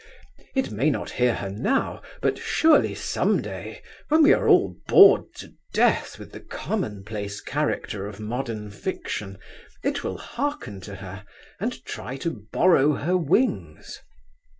It may not hear her now, but surely some day, when we are all bored to death with the commonplace character of modern fiction, it will hearken to her and try to borrow her wings.